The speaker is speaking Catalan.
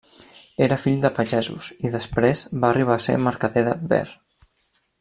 Era fill de pagesos, i després va arribar a ser mercader de Tver.